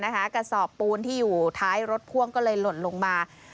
กระสอบปูนที่อยู่ท้ายรถพ่วงก็เลยหล่นลงมา